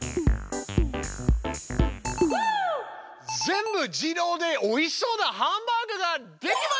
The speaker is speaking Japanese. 全部自動でおいしそうなハンバーグができました！